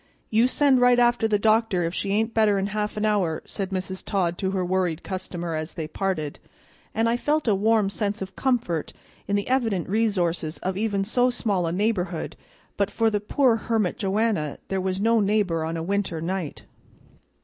"You send right after the doctor if she ain't better in half an hour," said Mrs. Todd to her worried customer as they parted; and I felt a warm sense of comfort in the evident resources of even so small a neighborhood, but for the poor hermit Joanna there was no neighbor on a winter night.